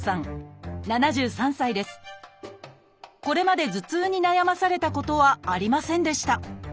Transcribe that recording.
これまで頭痛に悩まされたことはありませんでした。